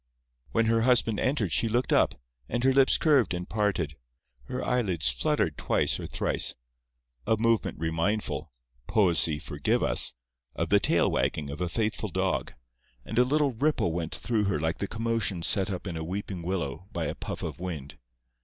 When her husband entered she looked up, and her lips curved and parted; her eyelids fluttered twice or thrice—a movement remindful (Poesy forgive us!) of the tail wagging of a faithful dog—and a little ripple went through her like the commotion set up in a weeping willow by a puff of wind.